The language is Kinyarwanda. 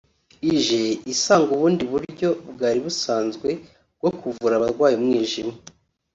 Ije isanga ubundi buryo bwari busanzwe bwo kuvura abarwaye umwijima